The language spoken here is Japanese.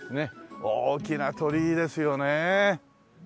大きな鳥居ですよね。